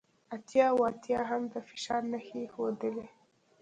اتیا اوه اتیا هم د فشار نښې ښودلې